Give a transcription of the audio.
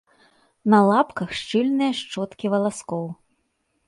На лапках шчыльная шчоткі валаскоў.